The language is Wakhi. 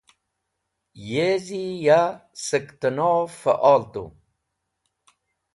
Yezi ya sẽktẽnov fẽol tu.